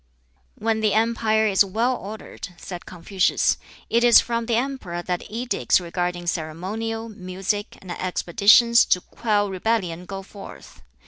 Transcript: "When the empire is well ordered," said Confucius, "it is from the emperor that edicts regarding ceremonial, music, and expeditions to quell rebellion go forth.